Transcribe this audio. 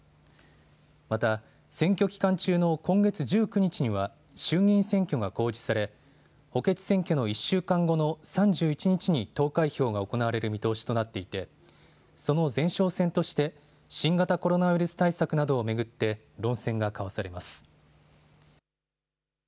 また、選挙期間中の今月１９日には衆議院選挙が公示され補欠選挙の１週間後の３１日に投開票が行われる見通しとなっていて、その前哨戦として新型コロナウイルス対策などを巡って論戦が交わされます。